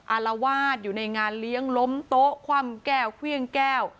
อารวาสอยู่ในงานเลี้ยงล้มโต๊ะคว่ำแก้วเครื่องแก้ว